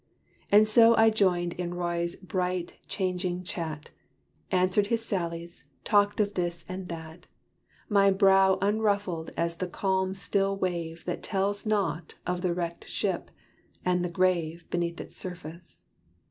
And so I joined in Roy's bright changing chat; Answered his sallies talked of this and that, My brow unruffled as the calm still wave That tells not of the wrecked ship, and the grave Beneath its surface.